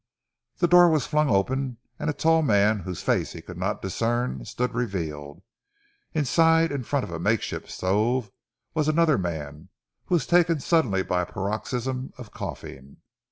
The door was flung open, and a tall man whose face he could not discern stood revealed. Inside in front of a makeshift stove was another man, who was taken suddenly by a paroxysm of coughing.